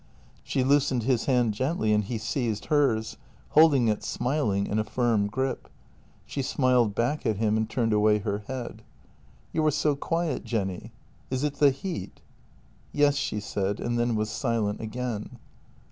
She loosened his hand gently and he seized hers, holding it, smiling, in a firm grip. She smiled back at him and turned away her head. " You are so quiet, Jenny. Is it the heat? "" Yes," she said, and then was silent again.